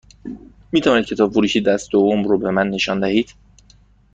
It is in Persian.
می توانید کتاب فروشی دست دوم رو به من نشان دهید؟